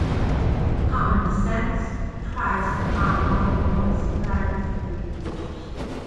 Common descent tries to account only for the "similarities" between creatures.